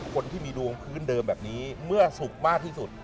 คนที่มีดวงพื้นเดิมแบบนี้เมื่อสุขมากที่สุด